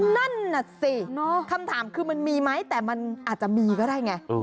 นั่นน่ะสิคำถามคือมันมีไหมแต่มันอาจจะมีก็ได้ไง